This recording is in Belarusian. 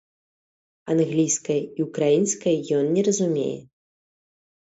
Англійскай і ўкраінскай ён не разумее.